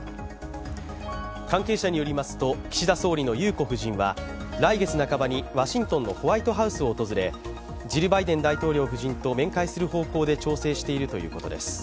関係者によりますと岸田総理の裕子夫人は来月半ばにワシントンのホワイトハウスを訪れジル・バイデン大統領夫人と面会する方向で調整しているということです。